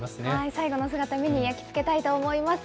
最後の姿、目に焼き付けたいと思います。